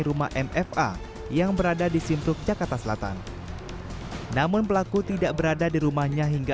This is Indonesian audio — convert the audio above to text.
rumah mfa yang berada di sintuk jakarta selatan namun pelaku tidak berada di rumahnya hingga